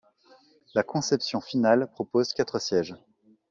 La conception finale propose quatre sièges.